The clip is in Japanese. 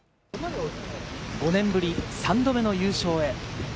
５年ぶり３度目の優勝へ。